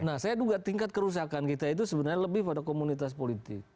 nah saya duga tingkat kerusakan kita itu sebenarnya lebih pada komunitas politik